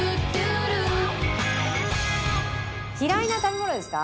嫌いな食べ物ですか？